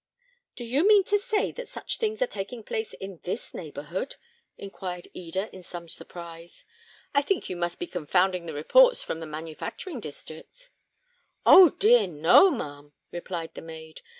"Do you mean to say that such things are taking place in this neighbourhood?" inquired Eda, in some surprise. "I think you must be confounding the reports from the manufacturing districts." "Oh! dear, no, ma'am!" replied the maid.